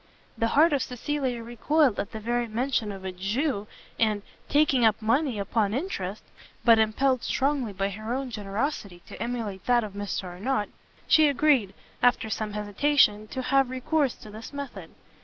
The heart of Cecilia recoiled at the very mention of a Jew, and taking up money upon interest; but, impelled strongly by her own generosity to emulate that of Mr Arnott, she agreed, after some hesitation, to have recourse to this method.